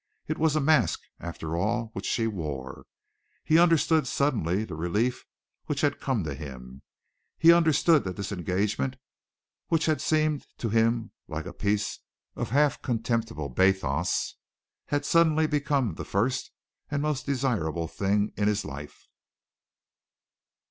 It was a mask, after all, which she wore! He understood suddenly the relief which had come to him. He understood that this engagement, which had seemed to him like a piece of half contemptible bathos, had suddenly become the first and most desirable thing in his life!